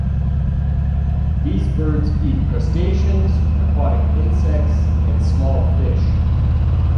These birds eat crustaceans, aquatic insects, and small fish.